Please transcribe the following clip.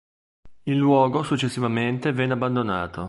Il luogo successivamente venne abbandonato.